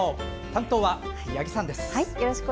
担当は八木さんです。